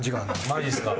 マジっすか？